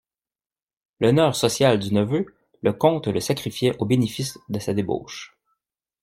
L'honneur social du neveu, le comte le sacrifiait au bénéfice de sa débauche.